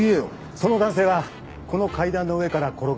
その男性はこの階段の上から転がり落ちたのかと。